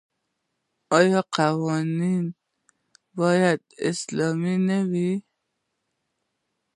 آیا قوانین باید اسلامي نه وي؟